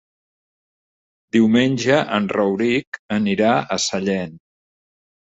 Diumenge en Rauric anirà a Sallent.